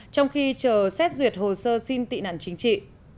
trong khi chờ xét duyệt hồ sơ xin tị nạn chính trị